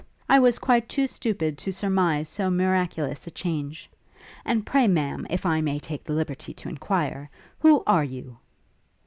I was quite too stupid to surmize so miraculous a change. And pray, Ma'am, if I may take the liberty to enquire, who are you?'